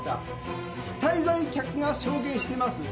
滞在客が証言してます。